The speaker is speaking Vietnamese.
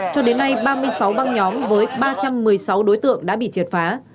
cho đến nay ba mươi sáu băng nhóm với ba trăm một mươi sáu đối tượng đã bị triệt phá